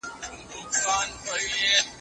امانت ساتل يو ستر انساني صفت دی.